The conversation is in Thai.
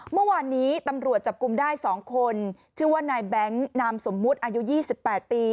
เมื่อวานนี้ตำรวจจับกลุ่มได้๒คนชื่อว่านายแบงค์นามสมมุติอายุ๒๘ปี